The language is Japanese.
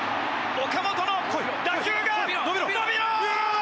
岡本の打球が伸びろー！